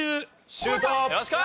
シュート！